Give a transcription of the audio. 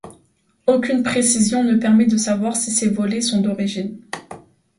Aucune précision ne permet de savoir si ces volets sont d’origine.